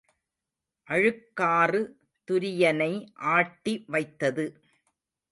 அழுக்காறு துரியனை ஆட்டி வைத்தது.